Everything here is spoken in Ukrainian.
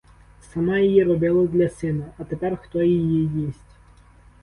Сама її робила для сина, а тепер хто її їсть?